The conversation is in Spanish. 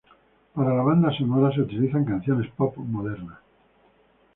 Para la banda sonora se utilizan canciones pop modernas.